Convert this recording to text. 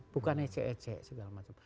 bukan ece ece segala macam